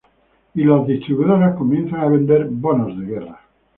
Y las distribuidoras comienzan a vender Bonos de Guerra.